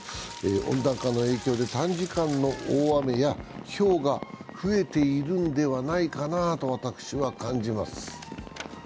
温暖化の影響で短時間の大雨やひょうが増えているんではないかなと私は感じます。